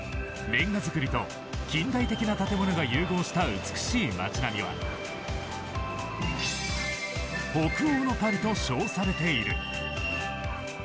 レンガ造りと近代的な建物が融合した美しい街並みは北欧のパリと称されている。